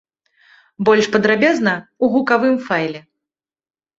Больш падрабязна ў гукавым файле!